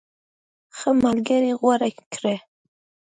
ښه ملګری غوره کړه.